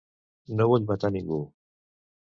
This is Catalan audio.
No vull matar ningú.